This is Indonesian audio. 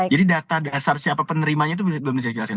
jadi data dasar siapa penerimanya itu belum bisa dijelaskan